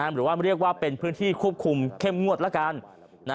หรือว่าเรียกว่าเป็นพื้นที่ควบคุมเข้มงวดละกัน